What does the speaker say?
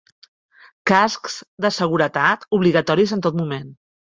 Cascs de seguretat: obligatoris en tot moment.